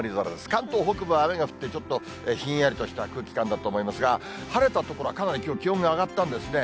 関東北部は雨が降ってちょっとひんやりとした空気感だと思いますが、晴れた所はかなりきょう、気温が上がったんですね。